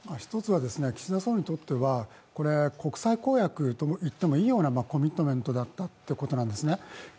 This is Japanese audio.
１つは岸田総理にとっては国際公約と言ってもいいようなコミットメントだったということなんですね。